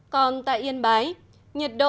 còn tại yên bái nhiệt độ